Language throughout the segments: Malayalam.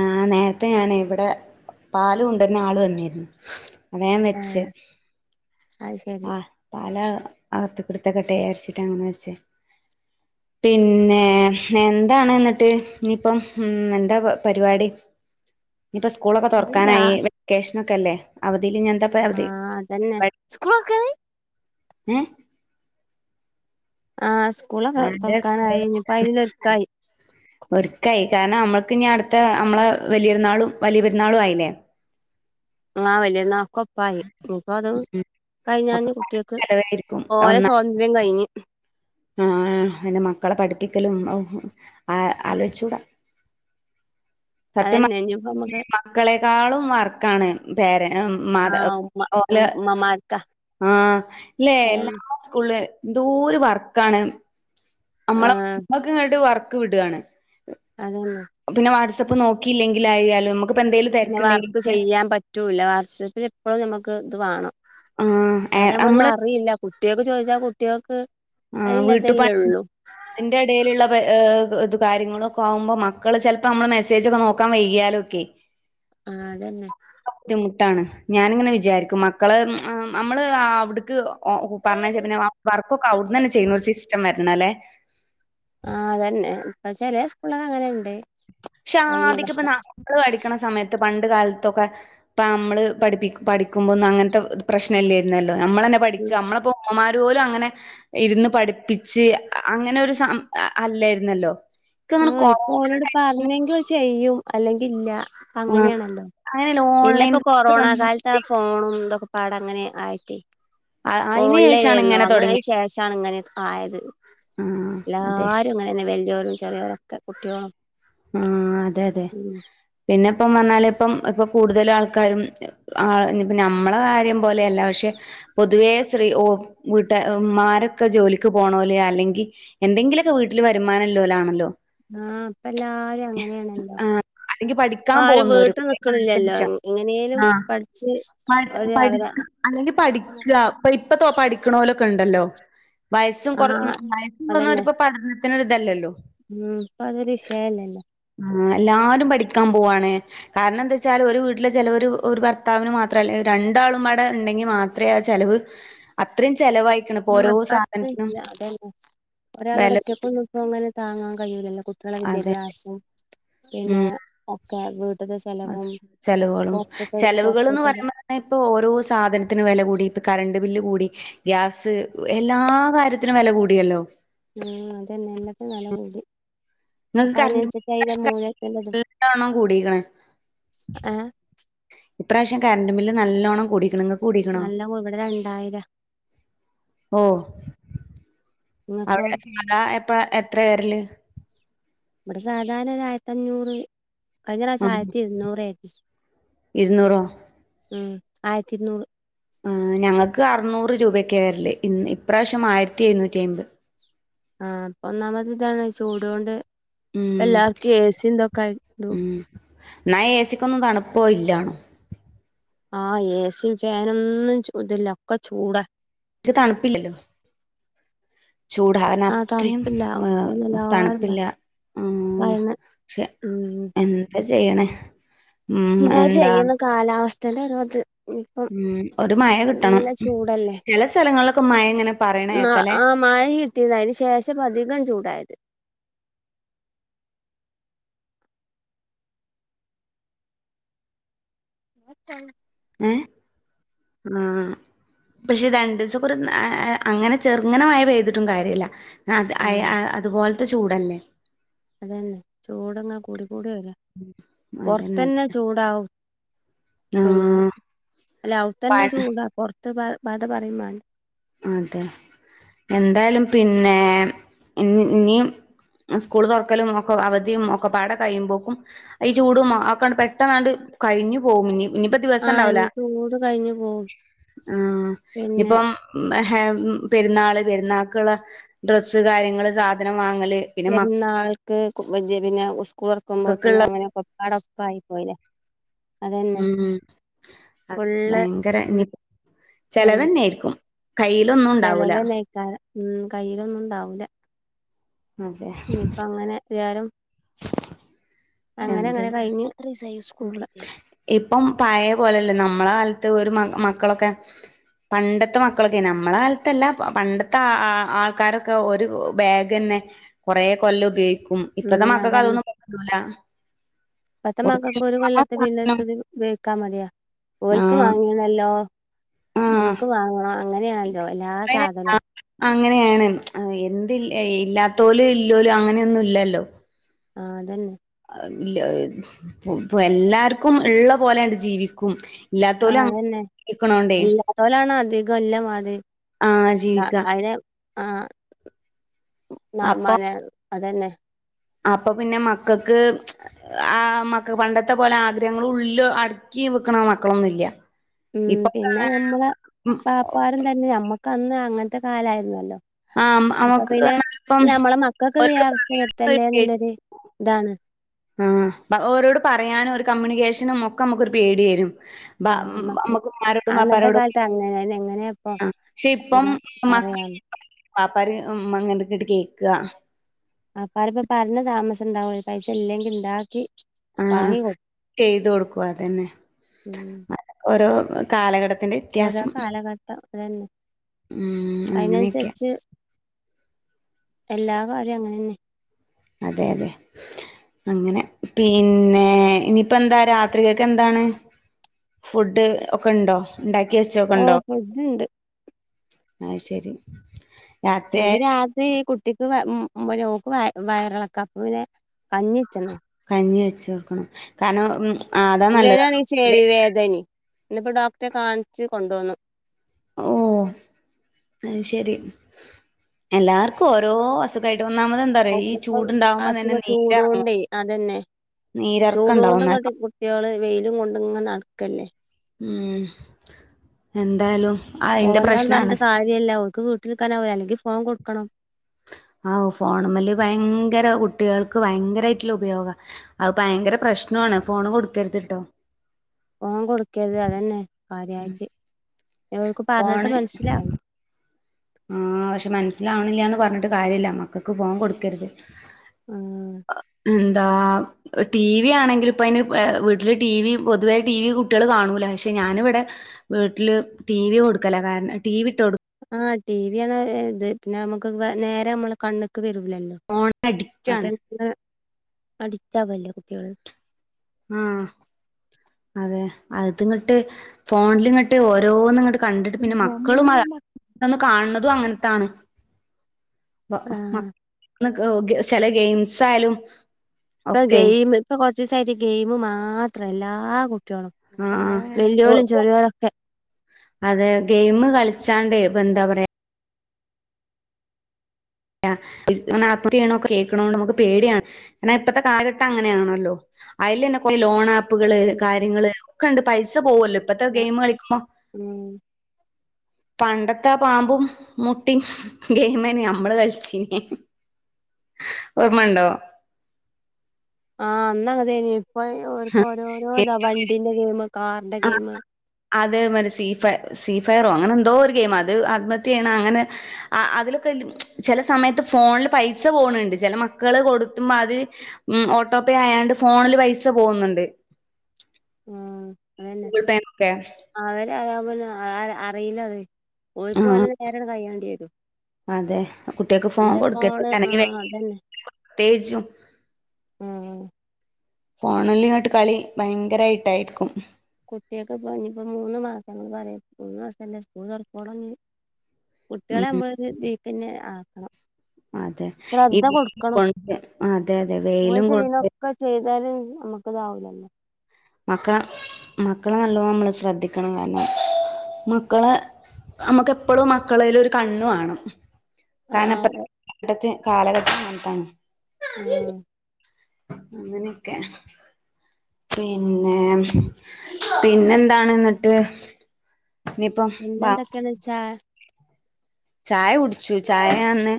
ആഹ് നേരത്തെ ഞനെ ഇവിടെ പാല് കൊണ്ടര്നെ ആള് വന്നിരുന്നു അതാ ഞാൻ വെച്ചെ ആഹ് അത് ശരി ആഹ് പാല് അകത്ത്ക്ക്‌ ഇട്ത്തെക്കെട്ടെ ജാരിച്ചിട്ട് അങ്ങനെ വെച്ചേ പിന്നെ എന്താണ് എന്നിട്ട് ഇനിയിപ്പം ഉം എന്താ പരിപാടി ഇനിയിപ്പ സ്കൂളൊക്കെ രാ തുറക്കാനായി വെക്കേഷനെക്കെ അല്ലേ അവ തില് ഇഞ്ഞെന്താപ്പം അവധി ആഹ് അതന്നെ ക സ്കൂളൊക്കെ എ ആഹ് സ് സ്കൂളൊക്കെ തൊറക്കാനായി ഇഞ്ഞിപ്പം അയിന്ള്ള ഒരുക്കായി ഒരുക്കായി കാരണം നമ്മൾക്ക് ഇനി അടുത്ത നമ്മളെ വല്യര്ന്നാളും വലിയ പെരുന്നാളും ആയിലെ ആ വല്യര്ന്നാ കൊപ്പായി ഇനിപ്പോ അത് ഉം ഒക്കെ കഴിഞ്ഞാഞ് പല കുട്ട്യേക്ക് ചെലവായിരിക്കും ഓലെ ഒന്നാ സ്വാതന്ത്ര്യം കഴിഞ്ഞ് ആഹ് അന്നെ മക്കളെ പഠിപ്പിക്കലും ഔ ആലോചിച്ചൂടാ സത്യമാ അതന്നെ [unintelligible] ഇനിയിപ്പോ ഈ നമ്മുക്ക് മക്കളെ ക്കാളും വർക്കാണ് പേരെ മാത ആഹ് ഉമ്മ ഓല ഉമ്മമാർക്കാ ആ ഇല്ലേ എല്ലാ അതന്നെ സ്കൂള് ന്തോര് വർക്കാണ് നമ്മളെ ആഹ് മ്മക്ക് ഇങ്ങട്ട് വർ ക്ക് വിടാണ് അതന്ന പ്പ് നോക്കിയില്ലെങ്കിലായാലും നമുക്കിപ്പോ എന്തേലും പിന്നെ വർക്ക് തിരക്കുണ്ടെങ്കിൽ ചെയ്യാൻ പറ്റൂല്ല വാട്സപ്പിൽ എപ്പോഴും നമു ക്ക് ഇത് വേണം ആഹ് അ ഞമ്മ ഒന്നും നമ്മള് അറിയില്ല കു ട്ടികൾക്കക്ക് ചോദിച്ചാൽ കുട്ടികൾക്ക് ആ വീട്ടുപ അതിനില്ലതല്ലേ ഉള്ളൂ തിന്റെ ഇടയിലുള്ള ഏ ഇത് കാര്യങ്ങളൊക്കെ ആകുമ്പോ മക്കള് ചിലപ്പോ നമ്മള് മെസ്സേജ് ഒക്കെ നോക്കാൻ വൈകിയാലൊക്കെ ആഹ അതെന്നെ ട്ടാണ് ഞാനിങ്ങനെ വിചാരിക്കും മക്കള നമ്മള് അവിടുക്ക് ഓ പറഞ്ഞയച്ചാ പിന്നെ ആ വർക്ക് അവിടന്ന്ന്ന ചെയ്യുന്ന സിസ് ഷ്ടം വരണല്ലേ ആ അതന്നെ ഇപ്പൊ ചെല സ്കൂളൊക്കെ അങ്ങനെയുണ്ട് ക്ഷെ ആദിക്ക് ഇപ്പ നമ്മള് പടിക്കണ സമയത്ത് പണ്ട ണ്ട് കാലത്തൊക്കെ ഇപ്പ നമ്മള് പഠിപ്പി പഠിക്കുമ്പോന്നും അങ്ങനത്തെ പ്രശ്നം ഇല്ലായിരുന്ന ലോ നമ്മളന്നെ പഠിക്ക ഉം നമ്മളൊപ്പം ഉമ്മമാര ഓല് അങ്ങനെ ഇരുന്ന് പഠിപ്പിച്ച് അങ്ങനെ ഒരു സം അല്ലായിരുന്നല്ലോ ഇക്കങ്ങനെ ആഹ ഇപ്പൊ കൊറോണ ഓരോട് ടൈമില് പറഞ്ഞെങ്കിൽ ചെയ്യും അല്ലെങ്കില്ല ആഹ് അങ്ങനെയാണല്ലോ അങ്ങനെയല്ല പിന്നെ ഓൺലൈൻ ക്ലാസ് ഇപ്പോൊകൊറോണ കാലത്ത് ആ വന്നപ്പഴേ ഫോണും ഇതൊ പാടങ്ങനെ ആയിട്ടി അയിന് ശേഷാണ് ഫോണിലരുന്നു ഇങ്ങനെ അങ്ങനെ അതിന് തൊടങ്ങിയത്. ശേഷണ ഇങ്ങനൊക്കെ ആയത് ആഹ് അതെ. എല്ലാരും ഇങ്ങനെന്നെ വലിയോരും ലൊക്കെ കുട്ടിയോളും ആഹ അതെ അതെ പിന്നെ ഇപ്പം വന്നാലേപ്പം ഇപ്പൊ കൂടുതൽ ആൾക്കാരും ഇനിപ്പോ നമ്മളെ കാര്യം പോലെയല്ല പക്ഷെ പൊതുവേ സ്ത്രീ വീട്ട ഉമ്മാരൊക്കെ ജോലിക്ക് പോണോല് അല്ലെങ്കിൽ എന്തെങ്കിലുമൊക്കെ വീട്ടില് വരുമാനല്ലോലാണല്ലോ ആഹ ആ അല്ലെങ്കി ഇപ്പ പഠിക്കാൻ ആരും പോകുന്നോരും വീട്ട് നിക്കണില്ലല്ലോ എങ്ങനേലും ആ പഠിച്ച് ഒരു അവരെ പഠിക്ക അല്ലെങ്കിൽ പഠിക്ക ഇപ്പ ഇപ്പ പഠിക്ക്ണോല് ക്കണ്ടല്ലോ വയസ്സും കുറെ ആഹ് അതന്നെ വയസൊന്നുംപ്പോ പഠ തിന് ഇതല്ലല്ലോ ഉം ഇപ്പ അതൊരു വിഷയല്ലല്ലോ ആ എല്ലാരും പഠിക്കാൻ പോവയാണ് കാരണം എന്താച്ചാല് ഒരു വീട്ടിലെ ചെലവ് ഒരു ഒരു ഭർത്താവിന് മാത്രല്ല രണ്ടാളുംപാടെ ഉണ്ടെങ്കി മാത്രമേ ആ ചെലവ് അത്ര ആ അപ്പ അത്ര ഇല്ല അതന്നെ ഒരാളോട് വെല ഒറ്റക്കന്നും പ്പോങ്ങനെ താങ്ങാ കല്ലുലോ കുട്ടിയാളെ അതെ വിദ്യാഭ്യാസം പിന്നെ ഉം ഇൻ ഓഡിബിൾ ചെലവുകളും ചെലവുകൾന്ന് പൊറത്തത്തെ പറയുമ്പോ തന്നെ ഇപ്പൊ ഓരോ സാധനത്തിന് വില കൂടി ഇപ്പോ കറണ്ട് ബില്ല് കൂടി ഗ്യാസ് എല്ലാ കാര്യത്തിനും വില കൂടിയല്ലോ ഉ അതന്നെ എല്ലാത്തിനും വെല കൂടി നിങ്ങക്ക് അപ്പൊ അതിനനുസരിച്ച് അതിന്റെ മൂല്യത്തിന്റെതും കറന്റ്‌ബില്ല് കൂടിക്ക്ണ് ഏഹ് കറണ്ട് ബില്ല് നല്ലോണ്ണം കൂടിക്ക്ണ് കൂടീക്ക്ണോ? നല്ല ഇവിടെ രണ്ടായിരം ഓ ഇങ്ങക്കോ അവിടെത അപ്പ എത്ര വരല്? ഇവിടെ സാധാരണ ഒരു ആയിരത്തി അഞ്ഞൂറ് കഴിഞ്ഞ പ്രാവശ്യം ആഹ് ആയിരത്തി ഇരുന്നൂർ ആയിർന്നു ഇരുന്നൂറോ ഉം ആയിരത്തി ഇരുനൂറ് ആ ഞങ്ങൾക്ക് അറുനൂറ് രൂപൊക്കെ വരല് ഇ ഇപ്രാവശ്യം ആയിരത്തി എഴുന്നൂറ്റി അമ്പത് ആ അപ്പൊ ഒന്നാമത് ഇതാണ് ചൂടൊണ്ട് ഉം പ്പോല്ലാർക്കും എസിതൊക്കെതു ന്നാ ഏസിക്കൊന്നും തണുപ്പോ ഇല്ലാണ് ആ ഏസി ഫാനൊന്നും ഇതില്ല ഒക്കെ ചൂടാ ച്ച് തണുപ്പില്ലല്ലോ ചൂടാകാൻ ആഹ് അത്രയും തണുപ്പില്ല അതെന്നെ എല്ലാരും പറ തണുപ്പില്ല മ് പറയണ പക്ഷെ ഉം എന്താ ചെയ്യണെ എന്താ ചെയ്യുന്ന കാലാവസ [unintelligible] ഇപ്പം ഉം ഒരു മഴ കിട്ടണം നല്ല ചൂടല്ലേ ചില സ്ഥലങ്ങളിലൊക്കെ മഴ ഇങ്ങനെ പറയണ ന കേക്കല്ലേ ആ മഴ കിട്ടിയ ത് അതിന് ശേഷം പ്പൊ അധികം ചൂട്. അതായത് [unintelligible] ഏ ആ പക്ഷെ രണ്ടിസം കുറെ അങ്ങനെ ചെറുങ്ങനെ മഴപെയ്തിട്ടും കാര്യല്ല. ആ അതെ ആഹ് അയെഅതുപോൽ ചൂടല്ലേ അതന്നെ ചൂടങ്ങനെ കൂടി ചൂട് അതന്നെ പൊറത്തന്നെ ചൂടാവും പിന്നെ ആഹ് അല്ല പ അവ്ത്തന്നെ ചൂടാ [unintelligible] [unintelligible] അതെ എന്തായാലും പിന്നെ നി സ്കൂള് തുറക്കലും ഒക്കെ അവധി ഒക്കെ പാടെ കഴിയുമ്പോക്കും ഈ ചൂടുംഅ ഒകെ പെട്ടെന്നാണ്ട് കഴിഞ്ഞു പോകും നി ഇനിപ്പ ദിവസം ആഹ് ണ്ടാവൂല ഇനി ചൂട് കഴിഞ്ഞു പോവും ആ നി പിന്നെ പ്പം [unintelligible] പെരുന്നാള് പെരുന്നാക്കുള്ള ഡ്രസ്സ് കാര്യങ്ങള് സാധനം വാങ്ങല് പിന്നെ മ [unintelligible] സ്കൂ തുറക്കുമ്പോത്തിനും അങ്ങനെ ആട ‌പ്പ് ആയി പോയിലെ ഉം അത് ഫുള്ള് ഭയങ്കര നി ഇതായില്ലേ ചെലവെന്നെര്ക്കും കയ്യിലൊന്നുംണ്ടാവൂല ചെലവന്നേക്കാരം ഉം കയ്യിലൊന്നുംണ്ടാവൂല അതെ ഇപ്പ അങ്ങനെ [unintelligible] അങ്ങനെ എന്ത് അങ്ങനെ കഴിഞ്ഞ് [unintelligible] ഇപ്പം പഴയ പോലല്ല നമ്മളെ കാൽ ത് ഒരു മ മക്കളൊക്കെ പണ്ടത്തെ മക്കളൊക്കെ നമ്മള കാലത്തല്ല പണ്ടത്തെ ആൾക്കാരൊക്കെ ഒരു ബാഗെന്നെ കൊറെ കൊല്ലം ഉപയോ ഉം ഇപ്പത്തെ മക്കക്ക് അതൊന്നും പറ്റൂല പ്പത്തെമക്കക് ഒരു ഒരു കൊല്ലതെ പിന്നെതെതിൽ ഉപയോക്കാൻ മടിയ ഓൽക്ക് ആഹ് വാങ്ങിണല്ലോ ന്ക്ക് വാങ്ങണം അങ്ങനെയാണല്ലോ എല്ലാ പ്പ അയ്ന് അ സാധനവും അങ്ങനെയാണ് [unintelligible] ഇല്ലാത്തോലും ഇല്ലോലും അങ്ങനെയൊന്നും ഇല്ലല്ലോ ആ അതന്നെ [unintelligible] എല്ലാർക്കും ഉള്ള പോലെയൻഡ് ജീവിക്കും ആ ഇല്ലാത്തോല് അങ്ങ അതന്നെ ജീവിക്കണോണ്ടേ എല്ലാത്തോലാണ് അധിക് ആഹ് ജീവിക്ക [unintelligible] ആ ന അപ്പൊ മന അതന്നെ അപ്പൊ പിന്നെ മക്കക്ക് ആ മക്ക പണ്ടത്തെ പോലെ ആഗ്രഹങ്ങൾ ഉള്ളിൽ അടുക്കി വെക്കണ മക്കളൊന്നൂല്യ ഉം പിന്നെ ഞമ്മളെ പാപ്പാരും തന്നെ മ്മക്ക് കന്നെഅങ്ങനത്തെ കാലായിരുന്നല്ലോ ആഹ് അപ്പൊ നമുക്ക് പിന്നെ ഇപ്പം ഞമ്മളെ മക്കക്ക് ഓരോട് ഇതേ അവസ്ഥ പറയാനും വരുത്തല്ലേ ന്നുള്ളരു ഇതാണ് ആ ഓരോട് പറയാനും ഒരു കമ്മ്യൂണിക്കേഷനും ഒക്കെ നമ്മുക്കൊരു പേടി വരും ബ ആഹ് ഉം നമക്ക് മ്മക്ക് ഉമ്മനോടും അന്നത്തെ ബാപ്പനോടൊക്കെ കാലത്ത് അങ്ങനെന്നെ എങ്ങനെപ്പൊ ആ പപക്ഷെ ഇപ്പം പിന്നെ പറയാന്ന് പാപ്പാര് ഉം അങ്ങനക്കങ്ങട്കേക്കുക പാപ്പാര്പറഞ്ഞ താമസ പ ഉണ്ടാവും പൈസ ഇല്ലെങ്കി ഇണ്ടാക്കി ആ വാങ്ങി കൊടുക്കും ചെയ്ത് കൊടുക്കു അതന്നെ ഉം ഓരോ ഒ കാലഘട്ട ഓരോ കാലഘട്ട [unintelligible] ഉം അങ്ങനെയൊക്കെ അതിനനുസരിച്ച് എല്ലാ കാര്യവും അങ്ങനെ ന്നെ അതെ അതെ അങ്ങനെ പിന്നെ ഇനിപ്പോ എന്താ രാത്രി കൊക്കെ എന്താണ് ഫുഡ് ഒക്കെ ഉണ്ടോ? ണ്ടാക്കി ഓ വെച്ചോക്കണ്ടോ? ഫുഡ്ണ്ട് അത് ശരി രാത്രിയായ ഇവരാതേകുട് ഒറ്റക് ഓക്ക് വയറിളക്കം അപ്പ പിന്നെ കഞ്ഞി വച്ചണ് ഞ്ഞിവെച്ച് കൊടുക്കണം കാരണം മ് ഇവനാണെങ്കി ചെവി വേദനി ഇന്നിപ്പോ ഡോക്ടറെ കാണിച്ചു കൊണ്ടുവന്നു ഓ അത്ശരി എല്ലാർക്കും ഓരോ അസുഖായി അസുഖം അസുഖ നീരെറങ്ങും ചൂടൊണ്ടേ അതന്നെ നീരെറക്കം ഉണ്ടാവും നല്ല ചൂടൊണ്ട് കുട്ടികള് വെയിലും കൊ അങ്ങനടക്കല്ലേ ഉം എന്തായാലും ആ അയിന്റെ പോവണ്ടാന്ന് പ്രശ്നാണ് പറഞ്ഞിട്ട കാര്യല്ല അവക്ക് വീട്ടിൽക്കാനാവുല അല്ലെങ്കിൽ ഫു ഫോൺ കൊടുക്കണം ആ ഫോണ മല് ഭയങ്കര കുട്ടികൾക്ക് ഭയങ്കരമായിട്ടുള്ള ഉപയോഗം അത് ഭയങ്കര പ്രശ്നമാണ് ഫോണ് കൊടുക്കരുത്തിട്ടോ ഫോൺ കൊടുക്കരുത് അതന്നെ കാര്യായിട്ട് ന്നെഇവർക്ക് പറഞ്ഞിട്ട് ഫോണ് മനസ്സിലാവ ആ പക്ഷെ മനസ്സിലാവണില്ലാന്ന് പറഞ്ഞിട്ട് കാര്യമില്ല മക്കൾക്ക് ഫോൺ കൊടുക്കരുത് ആഹ് ഉം ന്താ ടിവി ആണെങ്കിൽ ഇപ്പ അതിന് വീട്ടില് ടിവി പൊതുവേ ടിവി കുട്ടികൾ കാണൂല പക്ഷെ ഞാന ഇവിടെ വീട്ടില് ടിവി കൊടുക്കല കാരണം ടിവി ഇട്ട് കൊടുക്ക ആ ടിവി ആണ് ഇത് പിന്നെ നമുക്ക് നേരെ നമ്മള് കണ്ണ് ക്ക് വരൂല്ലല്ലോ ഫോണിന് അഡിക്റ്റ് മറ്റേ ആണ് [inaudible] അടിക്റ്റാവല്ലെ കുട്ടിയേൾ ആഹ് അതെ അത്ങ്ങട്ട് ഫോണിലിങ്ങട്ട് ഓരോന്ന്ങ്ങട്ട് കണ്ടിട്ട് പിന്നെ മക്കളും [inaudible] കാണ് ണതും അങ്ങൻ ത്താണ് ഇപ്പം മ ആഹ് [unintelligible] ചെല ഗെയിംസ് ആയാലും ഇപ്പ ഒക്കെ ഗെയിമ് ഇപ്പ കൊർ ച്ചിസായിട്ട് ഗെയിമ് മാത്രാ എല്ലാ ട്ട്യാളും ആഹ് വല്യോലും ചെറ്യോലൊക്കെ അതെ ഗെയിമ് കളിച്ചാണ്ടെ പ്പ ന്താ പറയാ യാ [unintelligible] ആത്മഹത്യ ചെയ്ണൊക്കെ കേക്ണോണ്ട് നമക്ക് പേടിയാണ് കാരണം ഇപ്പത്തെ കാലഘട്ടം അങ്ങനെയാണല്ലോ അയിലന്നേ [unintelligible] ലോൺ ആപ്പുകള് അതന്നെ കാര്യങ്ങള് ഒ ക്കണ്ട് പൈസ പോവ്വല്ലോ? ഇപ്പത്തെ ആഹ് ഗെയിം കളിക്കുമ്പോ- ഉം പണ്ടത്തെ പാമ്പും മുട്ടിം ഗെയിമെ നമ്മള് കളി [unintelligible] ഓർമണ്ടോ? ആഹ് അന്നതേ ഓ ഓരോരോ ഇതാ വണ്ടിന്റെ ഗെയിം കാറിന്റെ ആ ഗെയിം അതേ മ സീ ഫ സീ ഫയറോ അങ്ങനെ എന്തോ ഒരു ഗെയിംമാ അത് ആത്മഹത്യ ചെയ്യണ അങ്ങനെ ആ അതിലൊക്കെ ചില സമയത്ത് ഫോണില് പൈസ പോണണ്ട് ചില മക്കള് കൊടുത്തുമ്പ അത് ഓട്ടോ പേ ആയാണ്ട് ഫോണില് പൈസ പോകുന്നുണ്ട്- ആ- ഗൂഗിൾ പേ നൊക്കെ- [unintelligible] ന്നെ അറിയില്ല അത് ആ പോയിക്കുവല്ല നേരെണ്ട് കയ്യേണ്ടി വരും അതെ കുട്ടികൾക്ക് ഫോൺ എന്റെ ഫോണ് കൊടുക്കരുത് അല്ലെങ്കിൽ ആഹ അതന്നെ പ്രത്യേകിച്ചും ആഹ് ഫോണല്ല ഇങ്ങോട്ട് കളി ഭയങ്കരായിട്ടായിരിക്കും കുട്ടിയൊക്കെ പറഞ്ഞപ്പോ മൂന്ന് മാസം മൂന്നു മാസല്ലേ സ്കൂൾ തുറക്കോളം ഇഞ് കുട്ടികളെ ഉം നമ്മളൊ ഒരു വീക്കന്നെ ആക്കണം അതെ ഇ ശ്രദ്ധ കൊടുക്കണം [unintelligible] അതെ അതെ വെയിലും കൊണ്ട് നമുക്കതാവൂലല്ലോ മക്കളെ മക്കളെ നല്ലോ നമ്മള് ശ്രദ്ധിക്കണം കാരണം മക്കളെ നമ്മുക്ക്പ്പോഴും മക്കളേല്ലരു കണ്ണു വാണം ആഹ് [unintelligible] പണ്ടത്തെ കാലഘട്ടം അങ്ങനത്താണ്. ആ അങ്ങനെയൊക്കെ പിന്നെ പിന്നെ എന്താണ് ഇന്നിട്ട്? പിന്നെന്തൊക്കേന്ന് വെച്ചാ ചായ കുടിച്ചു ചായ ഞാ ഇന്ന്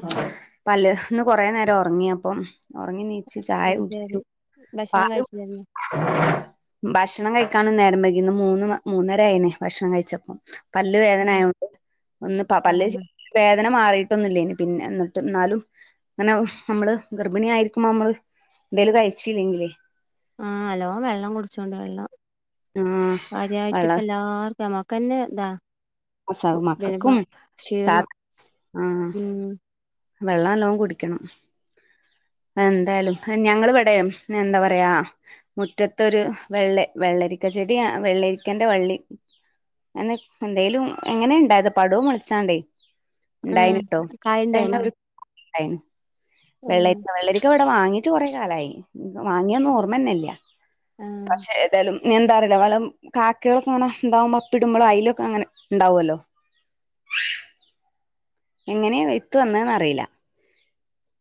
പല്ല് കൊറേ നേരം ഉറങ്ങി അപ്പം ഉറങ്ങി നീച്ച് ചായ അത് ശരി കുടിക്കും ഭക്ഷണം പാലും, കഴിച്ചില്ലായിരുന്നോ ഭക്ഷ ഭക്ഷണം കഴിക്കാനും നേരം വൈകി ഇന്ന് മൂന്ന് മൂന്നര ആയിന് ഭക്ഷണം കഴിച്ചപ്പം പല്ല് ആഹ് വേദനയായോണ്ട് ഒന്ന് പ പല്ല് ആഹ് വേദന മാറിയിട്ടൊന്നുല്ലേന്ന് പിന്നെ എന്നിട്ട് എന്നാലും അങ്ങനെ നമ്മള് ഗർഭിണി ആയിരിക്കുമ്പോ നമ്മള് എന്തേലും കഴിച്ചല്ലെങ്കിലേ ആ നല്ലോ വെള്ളം കുടിച്ചോണ്ട് വെള്ളം ആ വള്ള ഞമ്മക്കന്നെ ഇതാ ജലപ്പ മക്കക്കും സാ ക്ഷീണം ആ ഉം വെള്ളം നല്ലോം കുടിക്കണം എന്തായാലും ഞങ്ങളിവിടെ എന്താ പറയാ മുറ്റത്തൊരു വെള്ള വെള്ളരിക്ക ചെടി വെള്ളരിക്കന്റെ വള്ളി എന്തേലും എങ്ങനെ ഇണ്ടായത് പടു മോളെച്ചാണ്ട് ആ ഉണ്ടായിന് ട്ടോ ണ്ടായിന്ന് ഉം വെള്ളരിക്ക ഇവിടെ വാങ്ങീട്ട് കുറെ കാലായി ഇന്ക്ക് വാങ്ങിയതെന്നെ ഓർമ്മന്നല്ല ആ പക്ഷെ ഏതായാലും ഇനി എന്താറില്ല വള്ളം കാക്കകളൊക്കെ അങ്ങനെ ഇണ്ടാവുമ്പോ അപ്പി ഇടുമ്പോ അയിലൊക്കെ അങ്ങനെ ഉണ്ടാവല്ലോ എങ്ങനെയ വിത്ത് വന്നന്ന് അറിയില്ല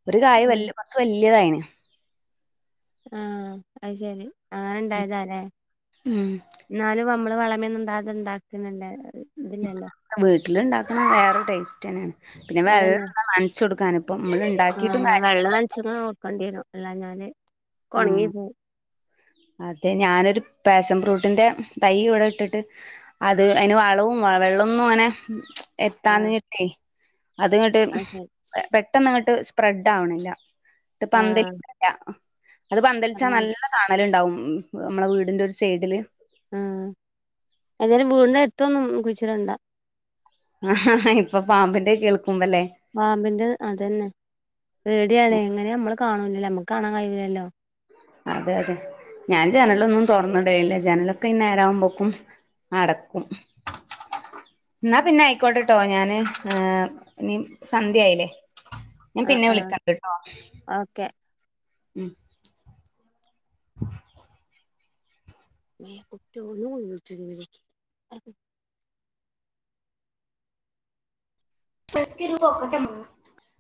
ഒരു ആ കായ് വല്ല്യ കുറച്ച് വല്ല്യതായിന്ന് [unintelligible] ആ അത് ശരി അങ്ങനെ ഇണ്ടായതല്ലെ ഉം എന്നാല് നമ്മ വളമെന്നും ണ്ടാകാതെ ണ്ടാക്ക്ണതല്ലേ അത് വീട്ടിലിണ്ടാക്ക വേറെരു ടേസ്റ്റ് തന്നെയാണ് പിന്നെ അതന്നെ വെള്ളം [inaudible] നനച്ച് കൊടുക്കാനും അപ്പം നമ്മള് ഉണ്ടാക്കിട്ട് [inaudible] അല്ലാ ഞാന് ഒക്കെ ഒണങ്ങി പോം അതെ ഞാനൊരു പാഷൻ ഫ്രൂട്ടിന്റെ തൈ ഇവിടെ ഇട്ടിട്ട് അത് അതിന് വളവും വെള്ളമൊന്നും അങ്ങനെ ആ എത്താഞ്ഞ്ട്ടേ അത്ങ്ങോട്ട് അത് ശരി പെട്ടെന്ന് ഇങ്ങട്ട് [unintelligible] സ്പ്രെഡ് ആവണില്ല [unintelligible] ആ അത് പന്തലിച്ചാ അതാണ് നല്ല തണല്ണ്ടാവും ഉം നമ്മടെ വീടിന്റെ ഒരു സൈഡില് ആ ഏതായാലും വീടിന്റെ അടുത്തൊന്നും കുച്ചിടണ്ട ആ ഇപ്പൊ പാമ്പിന്റെ കേൾ.. പാമ്പിന്റെ അതന്നെ പേടിയാണ് എങ്ങനെ നമ്മ കാണൂല്ലല്ലോ നമ്മുക്ക് കാണാൻ കഴിവൂലല്ലോ അതെ അതെ ഞാൻ ജനലൊന്നും തൊറന്നിടീലില്ല ജനലൊക്കെ ഇന്നേരകുമ്പോക്കും അടക്കും എന്നാ പിന്നെ ആയിക്കോട്ടെട്ടോ ഞാന് ഇനി സന്ധ്യയായില്ലേ ഞാൻ ആ പിന്നെ ആ വിളിക്കാട്ടൊ ആ ഓക്കെ ഉം എ കുട്ട്യോളും [unintelligible] [unintelligible]